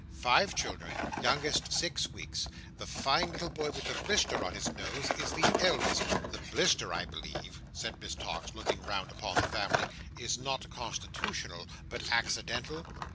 Five children. Youngest six weeks. The fine little boy with the blister on his nose is the eldest. The blister, I believe," said Miss Tox, looking round upon the family, "is not constitutional, but accidental?"